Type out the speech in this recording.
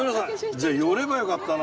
じゃあ寄ればよかったな。